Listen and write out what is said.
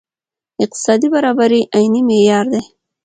اقتصادي برابري عیني معیار دی.